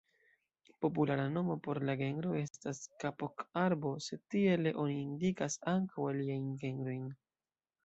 Populara nomo por la genro estas "kapok-arbo", sed tiele oni indikas ankaŭ aliajn genrojn.